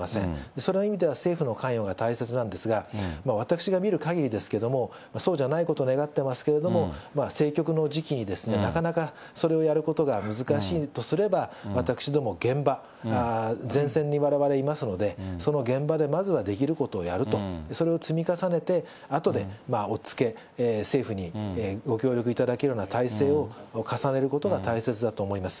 その意味では政府の関与が大切なんですが、私が見るかぎりですけれども、そうじゃないことを願ってますけれども、政局の時期になかなかそれをやることが難しいとすれば、私ども現場、前線にわれわれいますので、その現場でまずはできることをやると、それを積み重ねて、あとで押っつけ、政府にご協力いただくような体制を重ねることが大切だと思います。